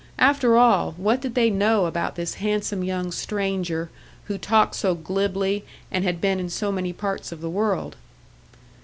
After all, what did they know about this handsome young stranger, who talked so glibly, and had been in so many parts of the world?